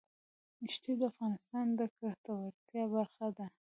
ښتې د افغانانو د ګټورتیا برخه ده.